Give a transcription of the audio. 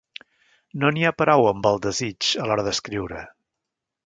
No n'hi ha prou amb el desig, a l'hora d'escriure.